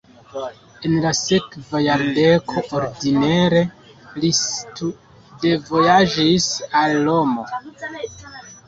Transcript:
En la sekva jardeko onidire li studvojaĝis al Romo.